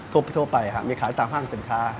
ทุบทวบไปมีขายต่างขายเสนอคล้า